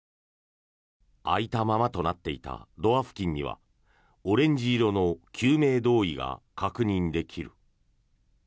開いたままとなっていたドア付近にはオレンジ色の救命胴衣が確認できる。